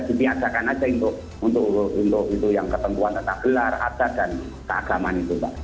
dipiaskan saja untuk yang ketentuan tentang gelar adat dan keagaman itu